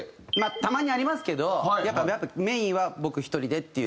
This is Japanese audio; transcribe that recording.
たまにありますけどやっぱメインは僕１人でっていう。